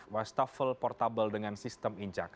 wastafel portable dengan sistem injak